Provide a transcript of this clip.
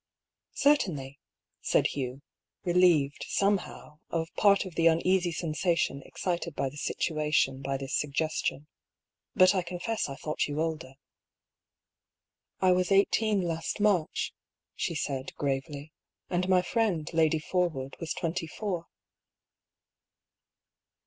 " Certainly," said Hugh, relieved, somehow, of part of the uneasy sensation excited by the situation by this suggestion. " But I confess I thought you older." " I was eighteen last March," she said, gravely. "And my friend. Lady Forwood, was twenty four."